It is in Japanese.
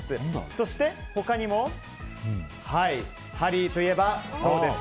そして他にもハリーといえば、そうです。